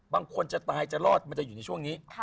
บางคนจะตายจะรอดมันจะอยู่ในช่วงนี้